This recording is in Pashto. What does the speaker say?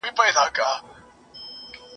لمر لوېدلی وو هوا تیاره کېدله ..